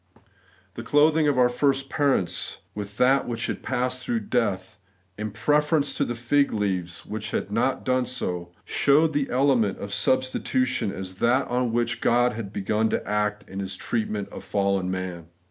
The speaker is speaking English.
The clothing of our first parents with that which had passed through death, in preference to the fig leaves which had not so done, showed the element of substitution as that on which God had begun to act in His treatment of fallen man.